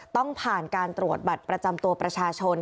ต้องผ่านการตรวจบัตรประจำตัวประชาชน